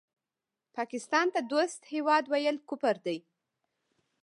پاکستان ته دوست هېواد وویل کفر دی